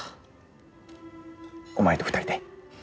お前と２人で。